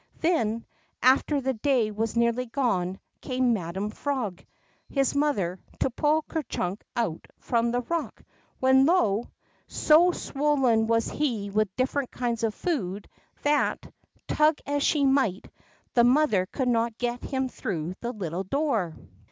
Then, after the day was nearly gone, came Madam Frog, his mother, to pull Ker Chunk out from the rock, when, lo ! so swollen was he THE ROCK EROG 15 witli different kinds of food, that, tng as she might, the mother could not get him through the little door.